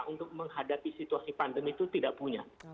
untuk menghadapi situasi pandemi itu tidak punya